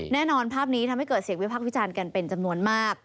แน่นอนภาพนี้ทำให้เกิดเสียงวิพักษ์วิจารณ์กันเป็นจำนวนมาก